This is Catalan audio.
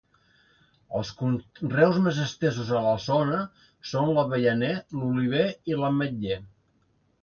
Els conreus més estesos a la zona són l'avellaner, l'oliver i l'ametller.